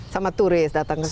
sama turis datang ke sini